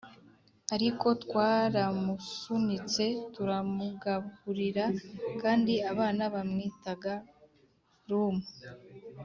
ariko twaramusunitse turamugaburira kandi abana bamwitaga rum.